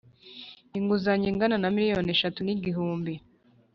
inguzanyo ingana na miliyoni eshatu n igihumbi